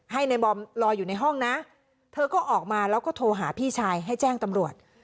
ให้ในบอมรออยู่ในห้องนะเธอก็ออกมาแล้วก็โทรหาพี่ชายให้แจ้งตำรวจ